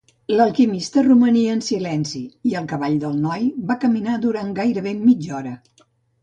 L'Alquimista romania en silenci i el cavall del noi va caminar durant gairebé mitja hora.